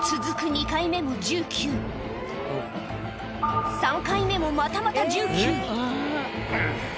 ２回目も１９３回目もまたまた１９うぅ！